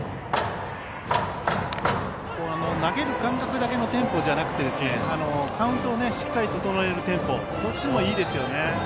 投げる間隔だけのテンポじゃなくてカウントをしっかり整えるテンポもいいですよね。